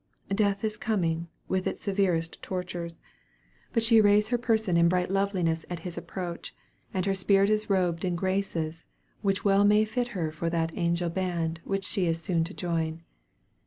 Death is coming, with his severest tortures, but she arrays her person in bright loveliness at his approach, and her spirit is robed in graces which well may fit her for that angel band, which she is so soon to join.